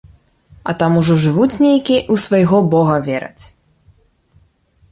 А там ужо жывуць нейкія і ў свайго бога вераць.